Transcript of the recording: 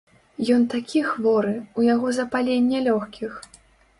Ён такі хворы, у яго запаленне лёгкіх.